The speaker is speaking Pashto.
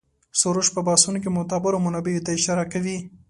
سروش په بحثونو کې معتبرو منابعو ته اشاره کوي.